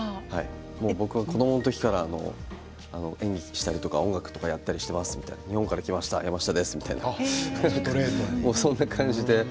僕は子どもの時から演技をしたり音楽をやっていたりしています、日本から来ました山下ですみたいな、そんな感じで。